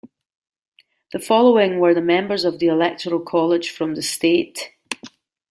The following were the members of the Electoral College from the state.